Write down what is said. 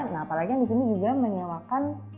nah apalagi yang di sini juga menyewakan